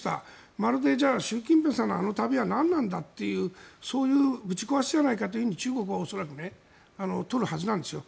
まるで習近平さんのあの旅は何なんだというそういう、ぶち壊しじゃないかと中国は恐らく取るはずなんですよ。